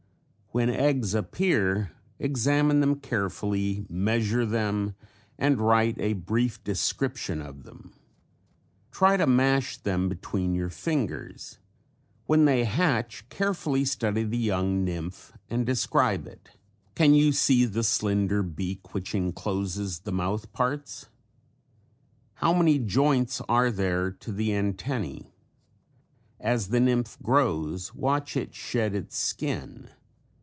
When eggs appear examine them carefully, measure them and write a brief description of them. Try to mash them between your fingers. When they hatch carefully study the young nymph and describe it. Can you see the slender beak which incloses the mouth parts? How many joints are there to the antennae? As the nymph grows watch it shed its skin.